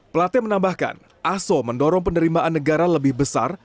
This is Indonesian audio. plate menambahkan aso mendorong penerimaan negara lebih besar